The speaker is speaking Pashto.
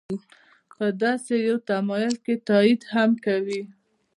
په داسې یو تمایل که تایید هم کوي.